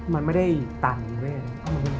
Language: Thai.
มันไม่ได้ตันด้วย